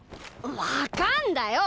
分かんだよ！